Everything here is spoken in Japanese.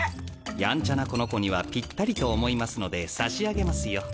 やんちゃなこの子にはぴったりと思いますので差し上げますよ。